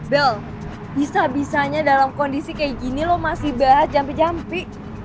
bell bisa bisanya dalam kondisi kayak gini loh masih bahas jampi jampi